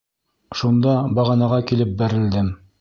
Шунда бағанаға килеп бәрелдем.